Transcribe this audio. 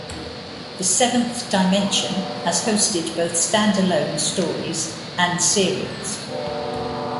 "The Seventh Dimension" has hosted both standalone stories and serials.